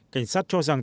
cảnh sát cho rằng